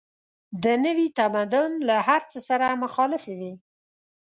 د نوي تمدن له هر څه سره مخالفې وې.